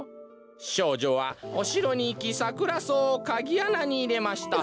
しょうじょはおしろにいきサクラソウをかぎあなにいれました。